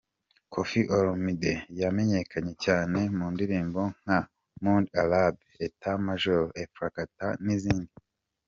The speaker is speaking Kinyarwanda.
Koffi Olomise yamenyekanye cyane mu ndirimbo nka Monde arabe, Etat Major, Efrakata n’izindi.